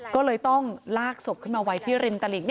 ก็เลยต้องลากศพขึ้นมาไว้ที่ริมตลิ่ง